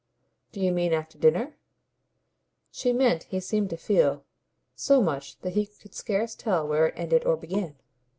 "Do you mean after dinner?" She meant, he seemed to feel, so much that he could scarce tell where it ended or began.